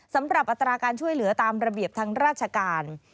อัตราการช่วยเหลือตามระเบียบทางราชการ